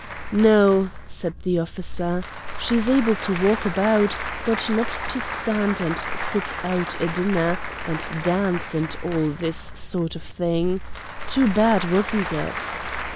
"No," said the officer; "she's able to walk about, but not to stand, and sit out a dinner, and dance, and all this sort of thing. Too bad, wasn't it?"